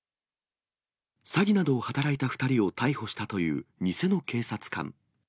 詐欺などを働いた２人を逮捕したという偽の警察官。